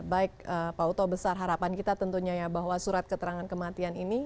baik pak uto besar harapan kita tentunya ya bahwa surat keterangan kematian ini